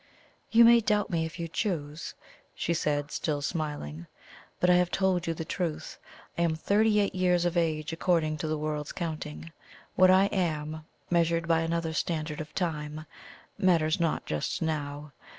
"You may doubt me if you choose," she said, still smiling; "but I have told you the truth. I am thirty eight years of age according to the world's counting. What I am, measured by another standard of time, matters not just now.